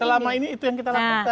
selama ini itu yang kita lakukan